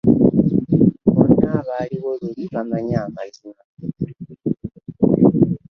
Bonna abaaliwo luli bamanyi amazima.